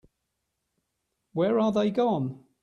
Where are they gone?